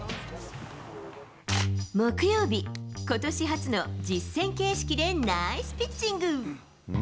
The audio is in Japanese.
木曜日、ことし初の実戦形式でナイスピッチング。